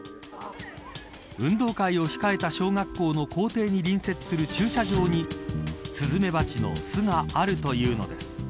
運動会を控えた小学校の校庭に隣接する駐車場にスズメバチの巣があるというのです。